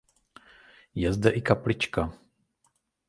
Je zde i kaplička.